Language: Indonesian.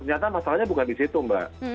ternyata masalahnya bukan disitu mbak